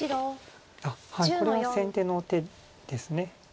これは先手の手です。